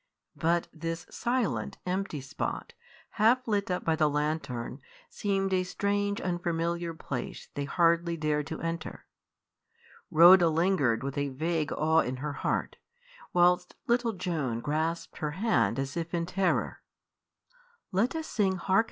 But this silent, empty spot, half lit up by the lantern, seemed a strange, unfamiliar place they hardly dared to enter. Rhoda lingered with a vague awe in her heart, whilst little Joan grasped her hand as if in terror. "Let us sing 'Hark!